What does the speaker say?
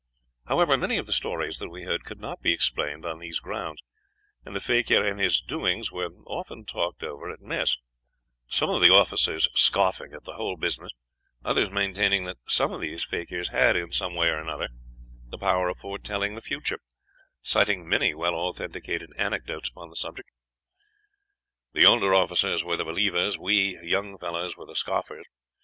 "However, many of the stories that we heard could not be explained on these grounds, and the fakir and his doings were often talked over at mess, some of the officers scoffing at the whole business, others maintaining that some of these fakirs had, in some way or another, the power of foretelling the future, citing many well authenticated anecdotes upon the subject. "The older officers were the believers, we young fellows were the scoffers.